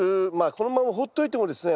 このままほっておいてもですね